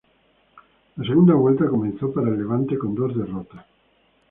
La segunda vuelta comenzó para el Levante con dos derrotas.